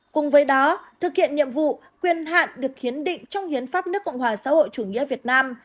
cùng với đó thực hiện nhiệm vụ quyền hạn được hiến định trong hiến pháp nước cộng hòa xã hội chủ nghĩa việt nam